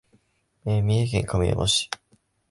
三重県亀山市